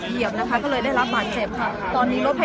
ก็ไม่มีใครกลับมาเมื่อเวลาอาทิตย์เกิดขึ้น